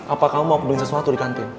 apa kamu mau beli sesuatu di kantin